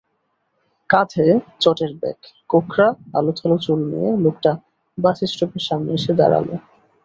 কাঁধে চটের ব্যাগ, কোঁকড়া আলুথালু চুল নিয়ে লোকটা বাসস্টপের সামনে এসে দাঁড়াল।